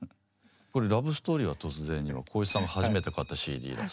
これ「ラブ・ストーリーは突然に」は光一さんが初めて買ったＣＤらしい。